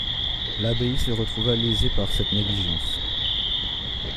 L'abbaye se retrouva lésée par cette négligeance.